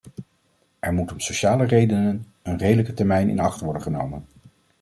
Er moet om sociale redenen een redelijke termijn in acht worden genomen.